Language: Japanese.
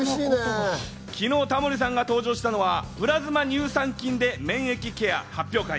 昨日、タモリさんが登場したのは、プラズマ乳酸菌で免疫ケア発表会。